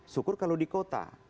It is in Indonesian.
syukur kalau di kota